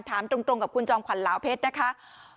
ถามตรงกับคุณจอมขวัญลาวเพชรนะคะ